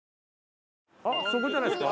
あっそこじゃないですか？